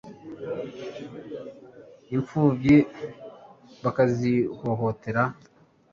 impfubyi bakazihotora